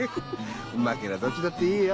うまけりゃどっちだっていいよ。